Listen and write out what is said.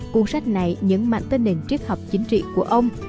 cuốn sách này nhấn mạnh tới nền triết học chính trị của ông